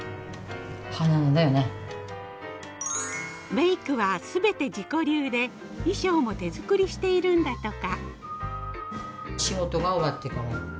メイクは全て自己流で衣装も手作りしているんだとか。